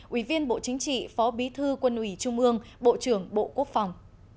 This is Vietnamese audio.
ủy viên bộ chính trị phó bí thư quân ủy trung ương bộ trưởng bộ quốc phòng